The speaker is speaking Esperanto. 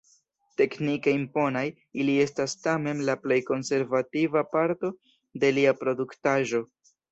Teknike imponaj, ili estas tamen la plej konservativa parto de lia produktaĵo.